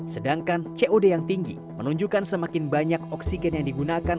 sedangkan cod yang tinggi menunjukkan semakin banyak oksigen yang digunakan